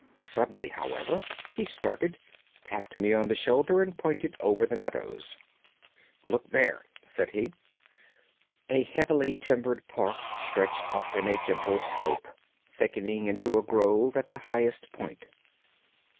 Suddenly, however, he started, tapped me on the shoulder, and pointed over the meadows. "Look there!" said he. A heavily timbered park stretched up in a gentle slope, thickening into a grove at the highest point.